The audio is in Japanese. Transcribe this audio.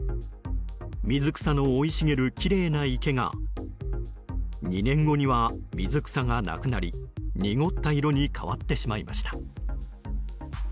水草の生い茂るきれいな池が２年後には水草がなくなり濁った色に変わってしまいました。